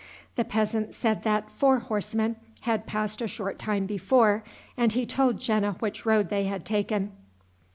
The peasant said that four horsemen had passed a short time before, and he told Jena which road they had taken.